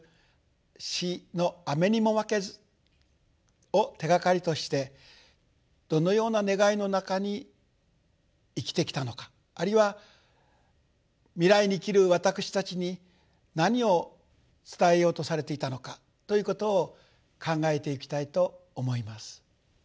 詩の「雨ニモマケズ」を手がかりとしてどのような願いの中に生きてきたのかあるいは未来に生きる私たちに何を伝えようとされていたのかということを考えていきたいと思います。